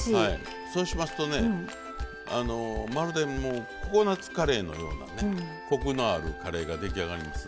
そうしますとねまるでココナツカレーのようなコクのあるカレーが出来上がります。